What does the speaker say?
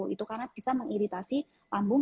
itu karena bisa mengiritasi lambung